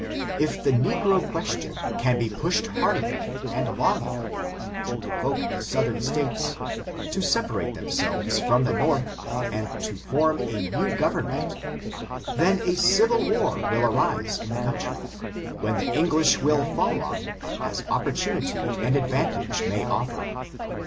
If the negro question can but be pushed hard enough and 16 ^ 362 ORIGIN, CHARACTERi AND long enough to provoke the southern states, to sepap rate themselves from the North, and to form a new government, then a civil war will arise in the coun try, when the English will fall on, as opportunity and advantage may oflfer.